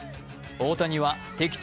大谷は敵地